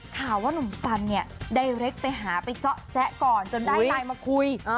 ข่าวว่านุ่มสันเนี่ยได้เล็กไปหาไปเจาะแจ๊ก่อนจนได้ไลน์มาคุย